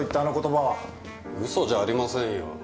嘘じゃありませんよ。